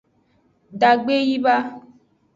Dagbe yi ba.